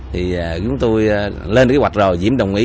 thì chúng tôi lên cái hoạch rồi diễm đồng ý